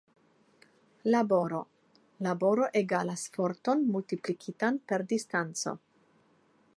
Laboro: Laboro egalas forton multiplikitan per distanco.